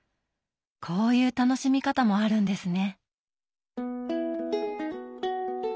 こういう楽しみ方もあるんですね。